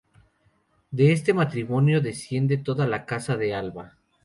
De este matrimonio desciende toda la Casa de Alba.